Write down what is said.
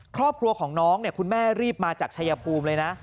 ครอบครัวของน้องเนี่ยคุณแม่รีบมาจากชายภูมิเลยนะ